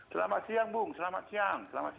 selamat siang bung selamat siang